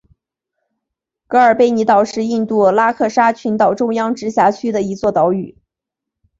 格尔贝尼岛是印度拉克沙群岛中央直辖区的一座岛屿。